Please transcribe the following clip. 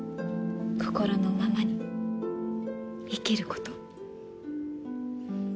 心のままに生きること。